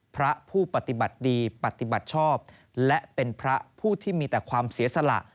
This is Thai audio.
พระผู้ปฏิบัติดีปฏิบัติชอบและเป็นพระผู้ที่มีแต่ความเสียสละ